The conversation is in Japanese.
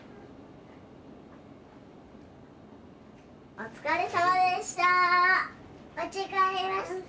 お疲れさまでした！